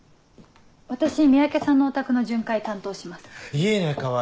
私三宅さんのお宅の巡回担当します。